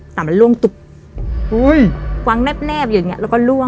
แต่มันล่วงตุ๊บกวางแนบแนบอย่างเงี้แล้วก็ล่วง